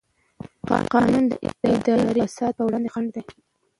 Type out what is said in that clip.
قانون د اداري فساد پر وړاندې خنډ دی.